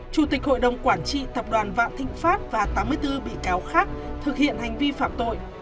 chủ tịch hội đồng quản trị tập đoàn vạn thịnh pháp và tám mươi bốn bị cáo khác thực hiện hành vi phạm tội